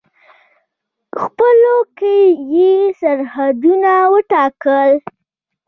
خپلو کې یې سرحدونه وټاکل.